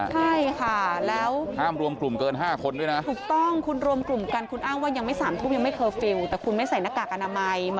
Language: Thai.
ไปโรงพักด้วยกันไหม